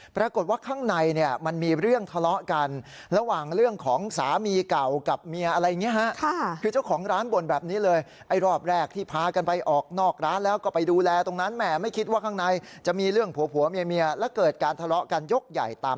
ปรากฏว่าข้างในเนี่ยมันมีเรื่องทะเลาะกันระหว่างเรื่องของสามีเก่ากับเมียอะไรเงี้ยฮะ